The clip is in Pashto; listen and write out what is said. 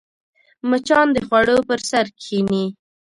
مچان د خوړو پر سر کښېني